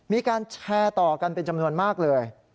มีการแชร์ต่อกันเป็นจำนวนมากเลย